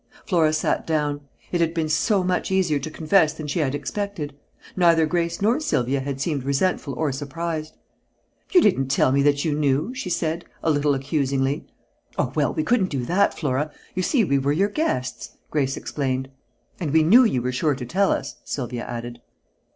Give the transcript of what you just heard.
Flora sat down. It had been so much easier to confess than she had expected. Neither Grace nor Sylvia had seemed resentful or surprised. "You didn't tell me that you knew," she said, a little accusingly. "Oh, well, we couldn't do that, Flora. You see we were your guests," Grace explained. "And we knew you were sure to tell us," Sylvia added.